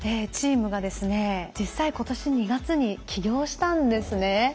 実際今年２月に起業したんですね。